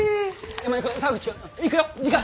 山根君澤口君行くよ時間！